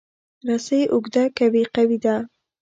رسۍ اوږده که وي، قوي ده.